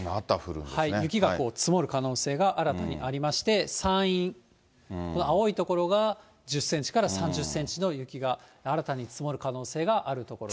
雪がこう、積もる可能性が新たにありまして、山陰、この青い所が１０センチから３０センチの雪が新たに積もる可能性がある所ですね。